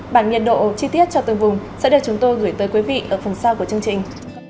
bản nhiệt độ chi tiết cho từng vùng sẽ được chúng tôi gửi tới quý vị ở phần sau của chương trình